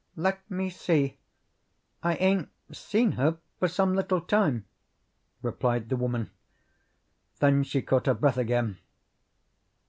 "Let me see; I ain't seen her for some little time," replied the woman. Then she caught her breath again.